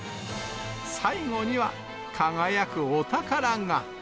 最後には、輝くお宝が。